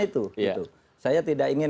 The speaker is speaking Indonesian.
itu saya tidak ingin